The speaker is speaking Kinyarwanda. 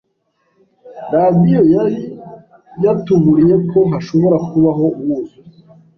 Radiyo yari yatuburiye ko hashobora kubaho umwuzure.